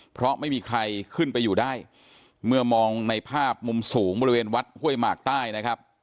เพราะไม่มีใครขึ้นไปอยู่ได้เมื่อมองในภาพมุมสูงบริเวณวัดห้วยหมากใต้นะครับ